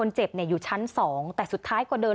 มีคนอยู่นะภายสอง